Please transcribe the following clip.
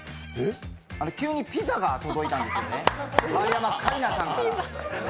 急にピザが届いたんですよね丸山桂里奈さんから。